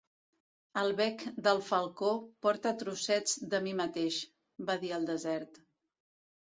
"El bec del falcó porta trossets de mi mateix", va dir el desert.